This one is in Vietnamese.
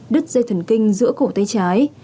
đứt dây thần kinh giữa cổ tay trái